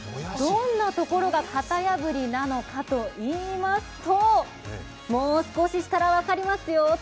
どんなところが型破りなのかといいますともう少ししたら分かりますよ